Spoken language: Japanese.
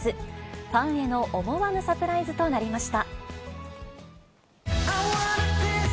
ファンへの思わぬサプライズとなりました。